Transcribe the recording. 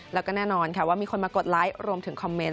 แล้วก็แน่นอนค่ะว่ามีคนมากดไลค์รวมถึงคอมเมนต